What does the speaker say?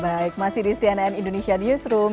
baik masih di cnn indonesia newsroom